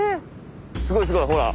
すごいすごいほら！